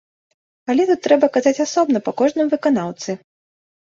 Але тут трэба казаць асобна па кожным выканаўцы.